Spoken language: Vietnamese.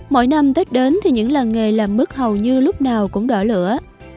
mỗi năm tết đến thì những lần nghề làm mức hầu như lúc nào cũng đỏ lửa